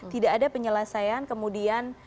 tidak ada penyelesaian kemudian